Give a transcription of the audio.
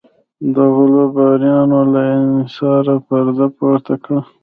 د غلو بارونیانو له انحصاره پرده پورته کړه.